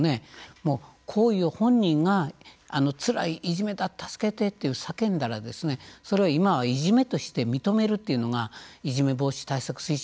もう行為を本人がつらいいじめだ助けてだと叫んだら今はいじめとして認めるというのがいじめ防止対策推進